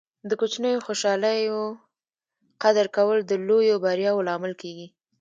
د کوچنیو خوشحالۍو قدر کول د لویو بریاوو لامل کیږي.